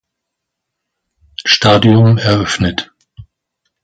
Stadium" eröffnet.